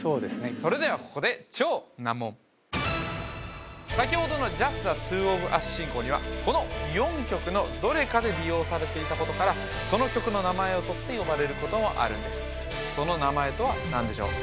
それではここで先ほどのＪｕｓｔＴｈｅＴｗｏｏｆＵｓ進行にはこの４曲のどれかで利用されていたことからその曲の名前をとって呼ばれることもあるんですその名前とは何でしょう